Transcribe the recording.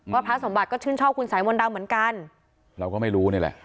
พระสมบัติก็ชื่นชอบคุณสายมนต์ดำเหมือนกันเราก็ไม่รู้นี่แหละ